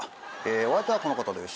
お相手はこの方です。